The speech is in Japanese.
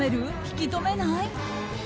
引き止めない？